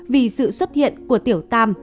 vì sự xuất hiện của tiểu tam